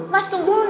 mas kamu gak bekerja